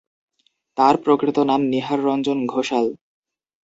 তার প্রকৃত নাম নীহাররঞ্জন ঘোষাল।